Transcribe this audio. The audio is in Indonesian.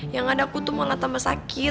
yang ada aku tuh malah tambah sakit